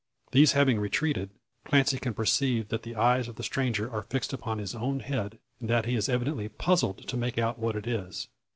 These having retreated, Clancy can perceive that the eyes of the stranger are fixed upon his own head, and that he is evidently puzzled to make out what it is.